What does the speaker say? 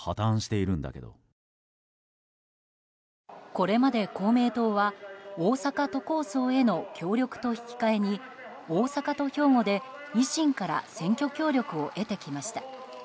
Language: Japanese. これまで公明党は大阪都構想への協力と引き換えに大阪と兵庫で維新から選挙協力を得てきました。